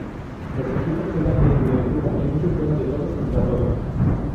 Los equipos juegan dentro del grupo en un sistema de todos contra todos.